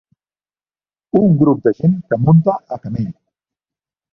Un grup de gent que munta a camell.